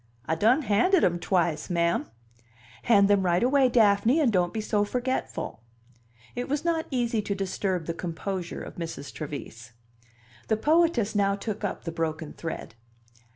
"I done handed 'em twice, ma'am." "Hand them right away, Daphne, and don't be so forgetful." It was not easy to disturb the composure of Mrs. Trevise. The poetess now took up the broken thread.